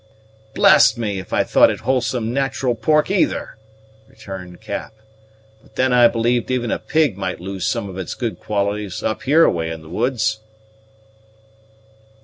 "Blast me, if I thought it wholesome natural pork either!" returned Cap. "But then I believed even a pig might lose some of its good qualities up hereaway in the woods."